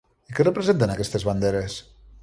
I què representen, aquestes banderes?